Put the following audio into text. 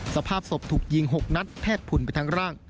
สภาพศพถูกยิง๖นัดแพทย์ผุ่นไปทั้งร่าง